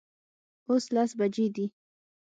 اوس لس بجې دي